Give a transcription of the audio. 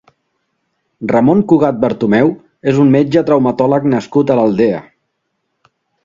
Ramón Cugat Bertomeu és un metge traumatòleg nascut a l'Aldea.